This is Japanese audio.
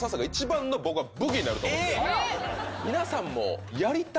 皆さんも。